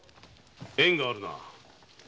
縁があるな。